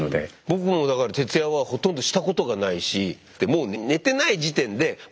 僕もだから徹夜はほとんどしたことがないしってことですよね。